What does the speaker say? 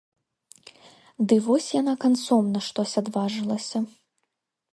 Ды вось яна канцом на штось адважылася.